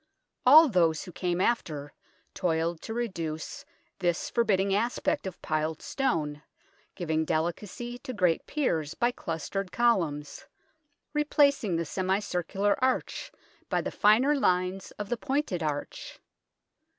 All those who came after toiled to reduce this forbid ding aspect of piled stone, giving delicacy to great piers by clustered columns, replacing the semi circular arch by the finer lines of the pointed arch.